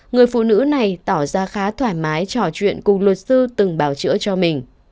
người phụ nữ này tỏ ra khá thoải mái trò chuyện cùng luật sư từng bào chữa cho mình